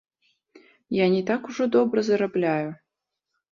Я не так ужо добра зарабляю.